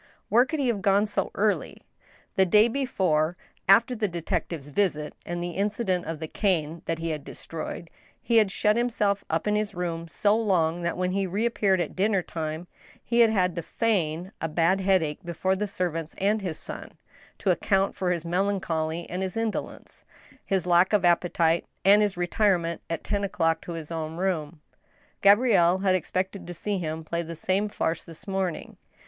Where could he have gone so early ? The day before, after the detective's visit and the incident of the cane that he had destroyed, he had shut himself up in his room so long that when he reappeared at dinner time he had to feign a bad headache before the servants and his son, to account for his melan choly and his indolence, his lack of appetite, and his retirement at ten o'clock to his own room. Gabrielle had expected to see him play the same farce this morning.